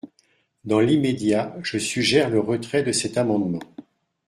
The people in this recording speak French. Dans l’immédiat, je suggère le retrait de cet amendement.